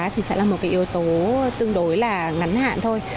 thì sẽ là một cái yếu tố tương đối là ngắn hạn thôi